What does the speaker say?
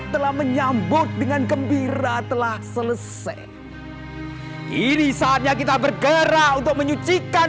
telah menyambut dengan gembira telah selesai ini saatnya kita bergerak untuk menyucikan